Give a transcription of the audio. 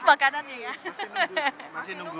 makanannya ya masih nunggu